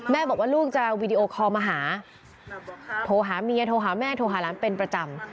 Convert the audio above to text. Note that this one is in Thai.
บอกว่าลูกจะวีดีโอคอลมาหาโทรหาเมียโทรหาแม่โทรหาหลานเป็นประจำ